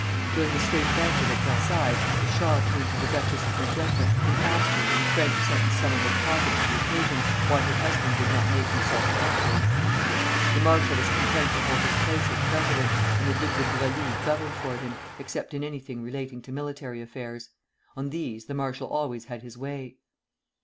During the state banquet at Versailles the shah turned to the Duchess of Magenta, and asked her, in a French sentence some one had taught him for the occasion, why her husband did not make himself emperor. The marshal was content to hold his place as president, and the Duc de Broglie governed for him, except in anything relating to military affairs. On these the marshal always had his way.